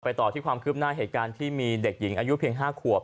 ต่อที่ความคืบหน้าเหตุการณ์ที่มีเด็กหญิงอายุเพียง๕ขวบ